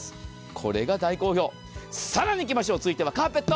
これが大好評、更にいきましょう、カーペット。